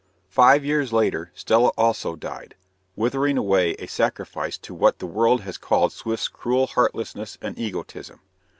Five years later, Stella also died, withering away a sacrifice to what the world has called Swift's cruel heartlessness and egotism.